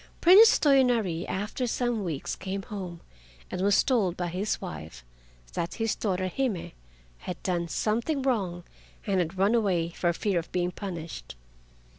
Prince Toyonari, after some weeks, came home, and was told by his wife that his daughter Hime had done something wrong and had run away for fear of being punished.